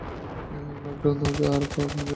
Lockdown হতে আর এক মিনিট বাকি।